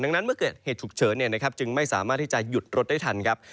ดังนั้นเมื่อเกิดเหตุฉุกเฉินจึงไม่สามารถที่จะหยุดรถได้ทันครับ